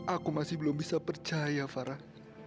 aku masih belum bisa percaya farah